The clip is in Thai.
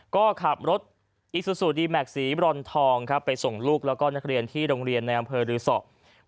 ก็ขับรถอีซูซูดีแม็กซีบรอนทองครับไปส่งลูกแล้วก็นักเรียนที่โรงเรียนในอำเภอรือสอ